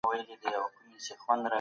سلیقه غواړي.